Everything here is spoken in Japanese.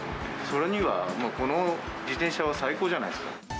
それにはこの自転車は最高じゃないですか。